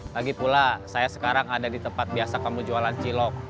lagi pula saya sekarang ada di tempat biasa kamu jualan cilok